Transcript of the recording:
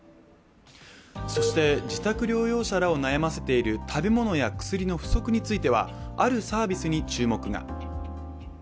そして自宅療養者らを悩ませている食べ物や薬の不足についてはあるサービスに注目が。